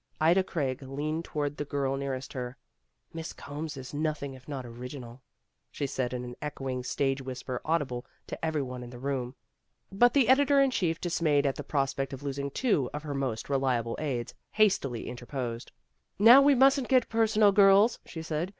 Ida Craig leaned toward the girl nearest her. "Miss Combs is nothing if not original," she said in an echoing stage whisper audible to every one in the room. But the editor in chief, dismayed at the prospect of losing two af her most reliable aides, hastily interposed. "Now we mustn't get personal, girls," she said.